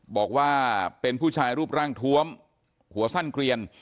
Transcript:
บอกว่าเป็นผู้ชายรูปร่างทวมหัวสั้นเกลียน